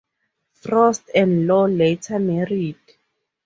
Frost and Law later married.